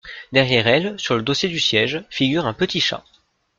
Derrière elle, sur le dossier du siège, figure un petit chat.